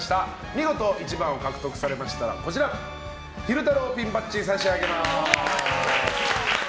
見事１番を獲得されましたら昼太郎ピンバッジを差し上げます。